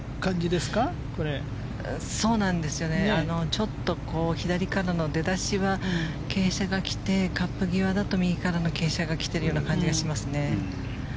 ちょっと左からの出だしは傾斜が来てカップ際だと右からの傾斜が来ている気がします。